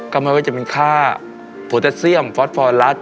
ก็ไม่ว่าจะเป็นค่าโพแทสเซียมฟอสฟอรัส